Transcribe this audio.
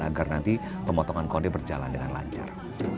agar nanti pemotongan kode berjalan dengan lancar